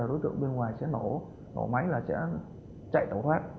đối tượng bên ngoài sẽ nổ máy là sẽ chạy đổ thoát